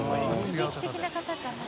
刺激的な方かな？